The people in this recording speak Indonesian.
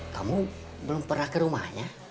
kamu belum pernah ke rumahnya